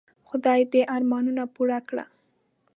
خدای دي ارمانونه پوره کړه .